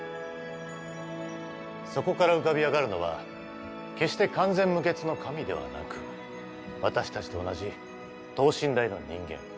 そこから浮かび上がるのは決して完全無欠の神ではなく私たちと同じ等身大の人間。